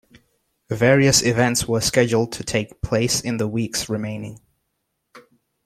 Various events were scheduled to take place in the weeks remaining.